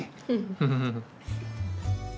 フフフフ。